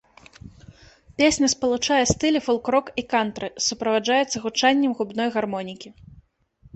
Песня спалучае стылі фолк-рок і кантры, суправаджаецца гучаннем губной гармонікі.